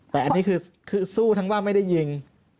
แต่อันนี้คือสู้ทั้งว่าไม่ได้ยิง